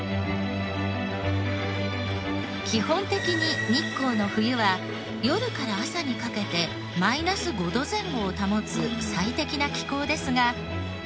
基本的に日光の冬は夜から朝にかけてマイナス５度前後を保つ最適な気候ですが。